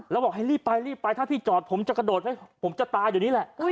แล้วบอกให้รีบไปรีบไปถ้าพี่จอดผมจะกระโดดไว้ผมจะตายเดี๋ยวนี้แหละ